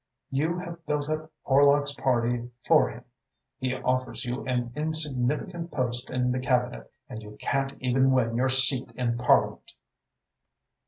You have built up Horlock's party for him, he offers you an insignificant post in the Cabinet, and you can't even win your seat in Parliament."